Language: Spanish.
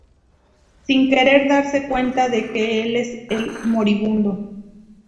sin querer darse cuenta de que él es el moribundo